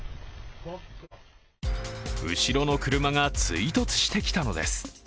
後ろの車が追突してきたのです。